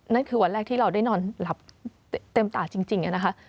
นั่นคือวันแรกที่เราได้นอนหลับเต็มตาจริงนะคะ